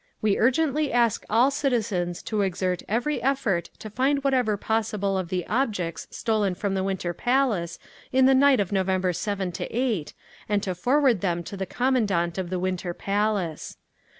"We urgently ask all citizens to exert every effort to find whatever possible of the objects stolen from the Winter Palace in the night of November 7 8, and to forward them to the Commandant of the Winter Palace.